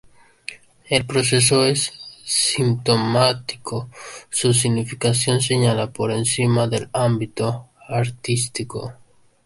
El proceso es sintomático; su significación señala por encima del ámbito artístico.